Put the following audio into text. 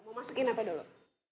mau masukin apa dulu